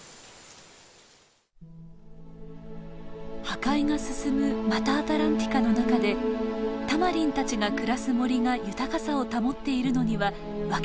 破壊が進むマタアトランティカの中でタマリンたちが暮らす森が豊かさを保っているのには訳があります。